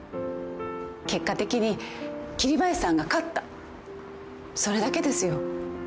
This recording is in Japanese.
結果的に桐林さんが勝ったそれだけですよ。